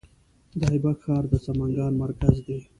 د ایبک ښار د سمنګان مرکز دی